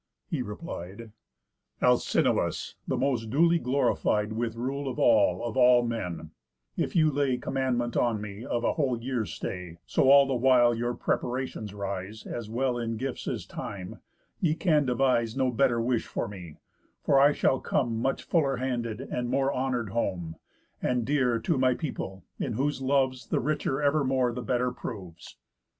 He replied: "Alcinous, the most duly glorified With rule of all of all men, if you lay Commandment on me of a whole year's stay, So all the while your preparations rise, As well in gifts as time, ye can devise No better wish for me; for I shall come Much fuller handed, and more honoured, home, And dearer to my people, in whose loves The richer evermore the better proves."